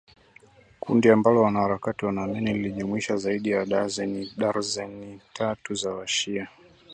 kundi ambalo wanaharakati wanaamini lilijumuisha zaidi ya darzeni tatu za washia